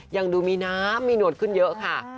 ยังดูมีน้ำมีหนวดขึ้นเยอะค่ะ